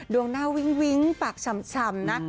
ดวงหน้าวิ้งปากฉ่ำนะ